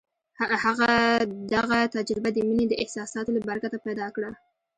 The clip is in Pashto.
هغه دغه تجربه د مينې د احساساتو له برکته پيدا کړه.